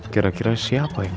kira kira siapa yang